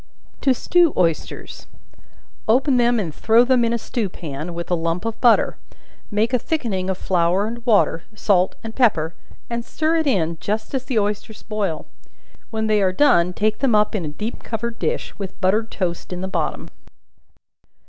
To Stew Oysters. Open them and throw them in a stew pan, with a lump of butter; make a thickening of flour and water, salt and pepper, and stir it in just as the oysters boil; when they are done, take them up in a deep covered dish, with buttered toast in the bottom.